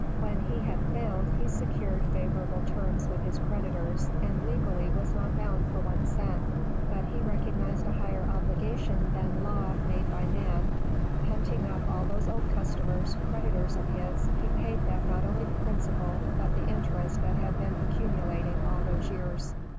When he had failed he secured favorable terms with his creditors, and legally was not bound for one cent, but he recognized a higher obligation than law made by man: hunting up all those old customers, creditors of his, he paid them not only the principal, but the interest that had been accumulating all these years.